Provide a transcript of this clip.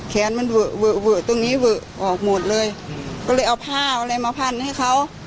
แขนมันเวอะเวอะเวอะตรงนี้เวอะออกหมดเลยก็เลยเอาผ้าเอาอะไรมาพันให้เขา